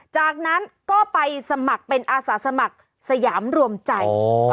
จากนั้นก็ไปสมัครเป็นอาสาสมัครสยามรวมใจ